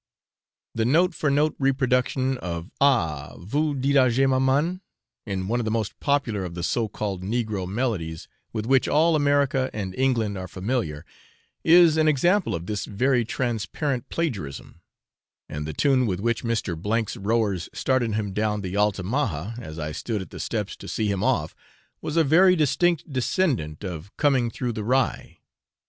The note for note reproduction of 'Ah! vous dirai je, maman?' in one of the most popular of the so called Negro melodies with which all America and England are familiar, is an example of this very transparent plagiarism; and the tune with which Mr. 's rowers started him down the Altamaha, as I stood at the steps to see him off, was a very distinct descendant of 'Coming through the Rye.'